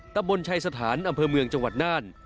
ตะบนชัยสถานอำเภอเมืองจังหวัดน่าน